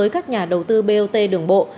các nhà đầu tư bot đường bộ